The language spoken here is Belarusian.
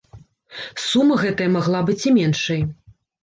Сума гэтая магла быць і меншай.